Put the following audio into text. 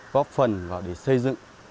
góp phần vào để xây dựng